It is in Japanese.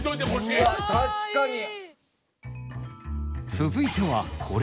続いてはこれ。